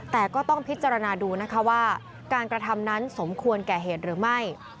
แต่ก็ต้องพิจารณาดูนะคะว่าการกระทำนั้นสมควรแก่เหตุหรือไม่